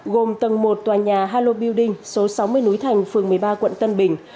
gồm tầng một tòa nhà halo building số sáu mươi núi thành phường một mươi ba quận tân bình